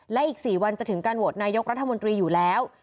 และอีก๔วันจะถึงการโหวตนายกรัฐมนตรีอยู่แล้ว